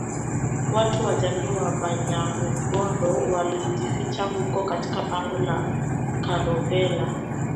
Watu wa jamii ya Banyarubondo walijificha huko katika pango la Karobhela